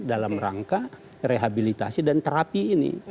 dalam rangka rehabilitasi dan terapi ini